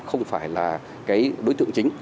không phải là cái đối tượng chính